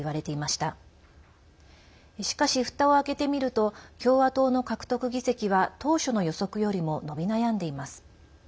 しかし、ふたを開けてみると共和党の獲得議席は当初の予測よりも伸び悩んでいます。